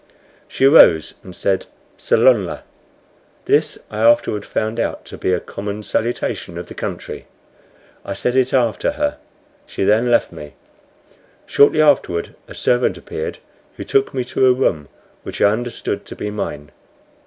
She arose and said, "Salonla." This I afterward found out to be common salutation of the country. I said it after her. She then left me. Shortly afterward a servant appeared, who took me to a room, which I understood to be mine.